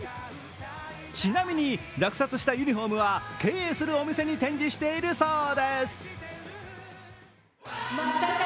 ちなみに落札したユニフォームは経営するお店に展示しているそうです。